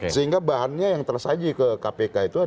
sehingga bahannya yang tersaji ke kpk itu